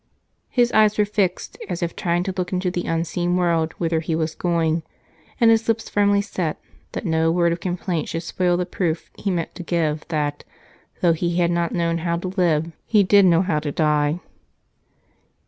His eyes were fixed, as if trying to look into the unseen world whither he was going, and his lips firmly set that no word of complaint should spoil the proof he meant to give that, though he had not known how to live, he did know how to die.